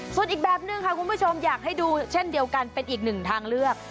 ส่วนอีกแบบหนึ่งค่ะคุณผู้ชมอยากให้ดูเช่นเดียวกันเป็นอีกหนึ่งทางเลือก